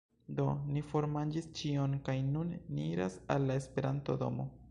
Do, ni formanĝis ĉion kaj nun ni iras al la Esperanto-domo